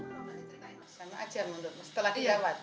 sama aja menurutmu setelah dirawat